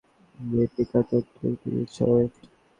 পিকাপইতো, এখনি ঠিক করে দিচ্ছি, ওয়েট!